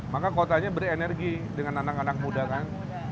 maka kotanya berenergi dengan anak anak muda kan